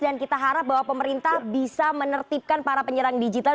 dan kita harap bahwa pemerintah bisa menertibkan para penyerang digital